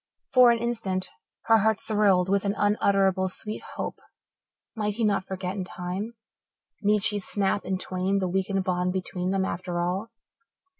For an instant her heart thrilled with an unutterably sweet hope. Might he not forget in time? Need she snap in twain the weakened bond between them after all?